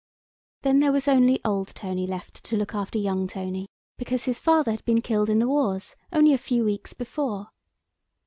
Then there was only old Tony left to look after young Tony, because his father had been killed in the wars— only a few weeks before.